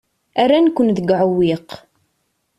Rran-ken deg uɛewwiq.